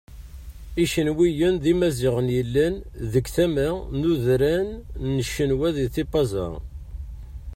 Icenwiyen d Imaziɣen yellan deg tama n udran n Cenwa di Tipaza.